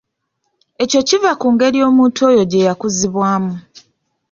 Ekyo kiva ku ngeri omuntu oyo gye yakuzibwamu.